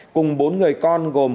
cùng bốn người con gồm